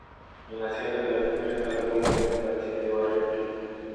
En Sena de Luna está la cola del embalse de Barrios de Luna.